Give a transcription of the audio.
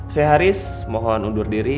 saya haris mohon undur diri